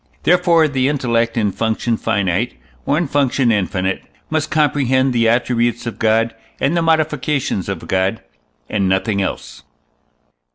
Therefore the intellect, in function finite, or in function infinite, must comprehend the attributes of God and the modifications of God, and nothing else.